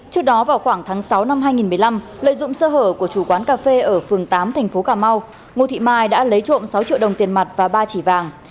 trước đó vào khoảng tháng sáu năm hai nghìn một mươi năm lợi dụng sơ hở của chủ quán cà phê ở phường tám thành phố cà mau ngô thị mai đã lấy trộm sáu triệu đồng tiền mặt và ba chỉ vàng